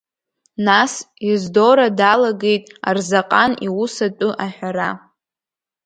Нас Ездора далагеит Арзаҟан иус атәы аҳәара.